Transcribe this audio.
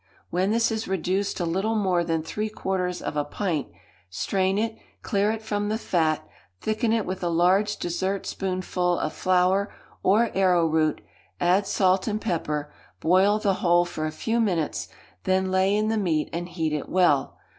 When this is reduced to little more than three quarters of a pint, strain it, clear it from the fat, thicken it with a large dessertspoonful of flour or arrowroot, add salt and pepper, boil the whole for a few minutes, then lay in the meat and heat it well.